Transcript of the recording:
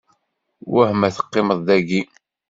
Wah ma teqqimeḍ dayi?